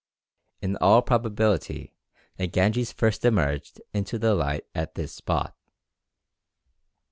In all probability the Ganges first emerged into the light at this spot.